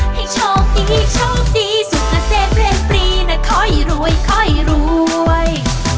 ให้โชคดีโชคดีสุขเกษตรเรียนปรีนะค่อยรวยค่อยรวย